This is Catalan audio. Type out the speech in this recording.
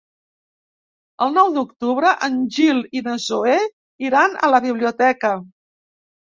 El nou d'octubre en Gil i na Zoè iran a la biblioteca.